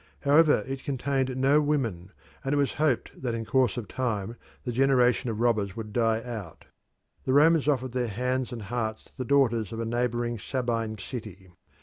However, it contained no women, and it was hoped that in course of time the generation of robbers would die out. The Romans offered their hands and hearts to the daughters of a neighbouring Sabine city.